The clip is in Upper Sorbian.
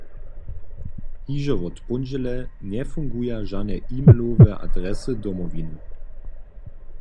Hižo wot póndźele njefunguja žane e-mailowe adresy Domowiny.